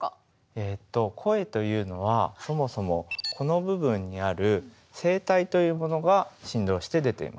えっと声というのはそもそもこの部分にある「声帯」というものが振動して出ています。